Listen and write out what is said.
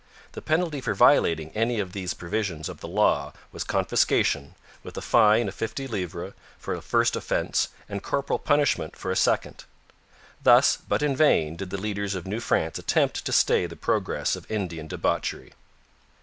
The penalty for violating any of these provisions of the law was confiscation, with a fine of fifty livres for a first offence and corporal punishment for a second. Thus, but in vain, did the leaders of New France attempt to stay the progress of Indian debauchery.